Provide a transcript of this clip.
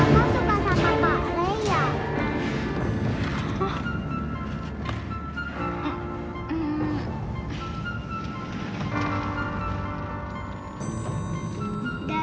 tadi belanja apa aja kakak boleh tahu nggak